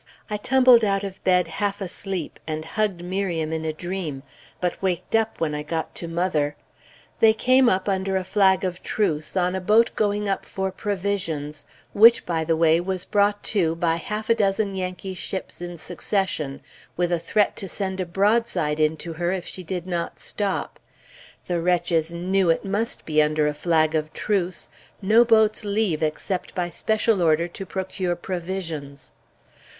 I tumbled out of bed half asleep and hugged Miriam in a dream, but waked up when I got to mother. They came up under a flag of truce, on a boat going up for provisions, which, by the way, was brought to by half a dozen Yankee ships in succession, with a threat to send a broadside into her if she did not stop the wretches knew it must be under a flag of truce; no boats leave, except by special order to procure provisions.